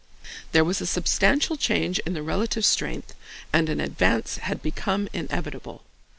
There was a substantial change in the relative strength, and an advance had become inevitable.